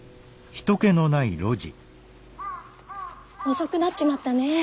遅くなっちまったねえ。